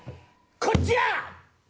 こっちや！